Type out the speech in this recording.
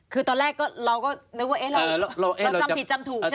คือตอนแรกเราก็นึกว่าเราจำผิดจำถูกใช่ไหม